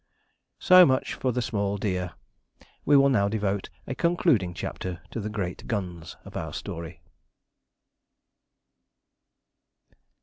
So much for the 'small deer.' We will now devote a concluding chapter to the 'great guns' of our story.